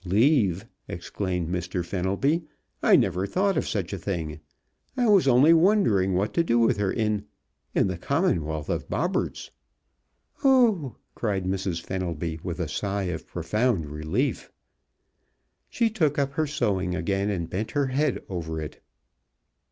"Leave?" exclaimed Mr. Fenelby. "I never thought of such a thing. I was only wondering what to do with her in in the Commonwealth of Bobberts." "Oh!" cried Mrs. Fenelby, with a sigh of profound relief. She took up her sewing again, and bent her head over it.